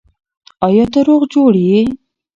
آیا ته روغ جوړ یې؟